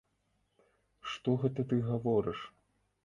Што гэта ты гаворыш?